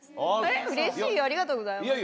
ありがとうございます。